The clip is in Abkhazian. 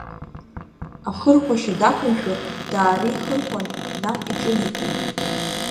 Ахырхәашьа дақәымшәо даареихырхәан, наҟ иҿынеихеит.